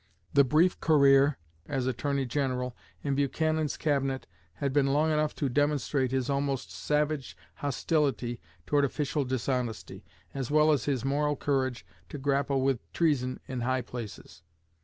The brief career [as Attorney General] in Buchanan's cabinet had been long enough to demonstrate his almost savage hostility toward official dishonesty, as well as his moral courage to grapple with treason in high places.